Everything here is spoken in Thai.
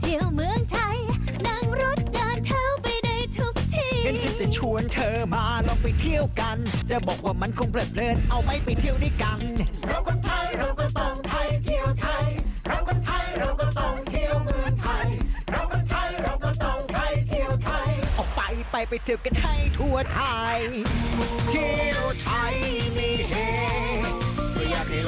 เที่ยวไทยมีเหเราเป็นคนไทยเราก็ต้องเที่ยวไทย